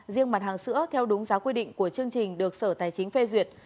riêng mặt hàng sữa theo đúng giá quy định của chương trình được sở tài chính phê duyệt